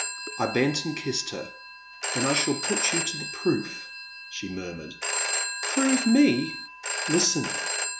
" I bent and kissed her. "Then I shall put you to the proof, she murmured. "Prove me I" " Listen.